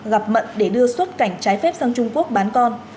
gặp mận để đưa xuất cảnh trái phép sang trung quốc bán con